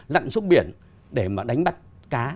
lặn xuống biển để mà đánh bắt cá